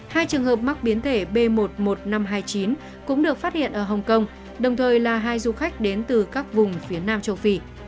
hai trường hợp mắc biến thể b một mươi một nghìn năm trăm hai mươi chín cũng được phát hiện ở hồng kông đồng thời là hai du khách đến từ các vùng phía nam châu phi